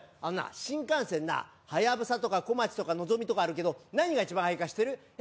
あのな新幹線なはやぶさとかこまちとかのぞみとかあるけど何が一番速いか知ってる？